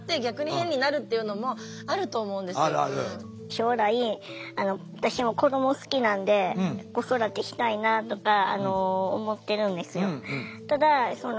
将来私も子ども好きなんで子育てしたいなとか思ってるんですよ。